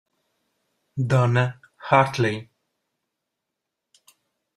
Donna Hartley